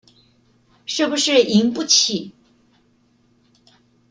是不是贏不起